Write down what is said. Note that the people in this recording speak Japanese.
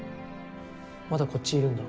まだこっちいるんだ。